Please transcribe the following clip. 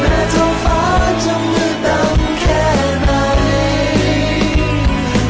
แม้ท่องฟ้าจะเมื่อตั้งแค่ไหน